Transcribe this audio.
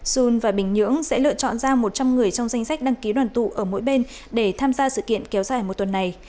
seoul và bình nhưỡng sẽ lựa chọn ra một trăm linh người trong danh sách đăng ký đoàn tụ ở mỗi bên để tham gia sự kiện kéo dài một tuần này